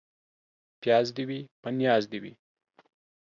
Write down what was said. پياز دي وي ، په نياز دي وي.